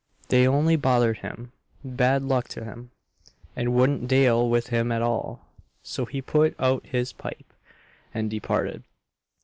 They only bother'd him bad luck to 'em, and wouldn't dale with him at all; so he put out his pipe, and departed.